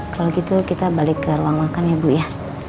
kalau gitu kita balik ke ruang makan ya bu ya